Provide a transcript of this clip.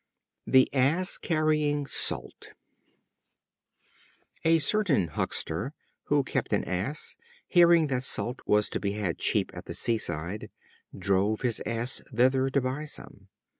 The Ass Carrying Salt. A certain Huckster who kept an Ass, hearing that Salt was to be had cheap at the sea side, drove down his Ass thither to buy some.